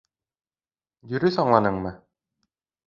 Дөрөҫ аңланыммы?